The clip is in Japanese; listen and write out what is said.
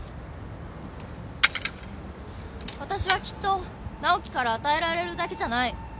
わたしはきっと直季から与えられるだけじゃない。